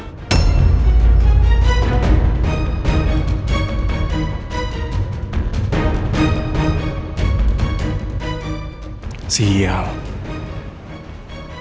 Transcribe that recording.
karena mereka sudah menangis